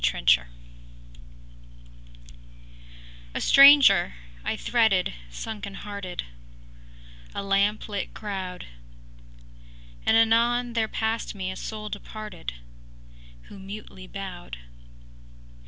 THE WOMAN I MET A STRANGER, I threaded sunken hearted A lamp lit crowd; And anon there passed me a soul departed, Who mutely bowed.